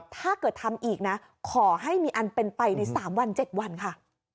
ถ้าเกิดทำอีกนะขอให้มีอันเป็นไปใน๓วัน๗วันค่ะ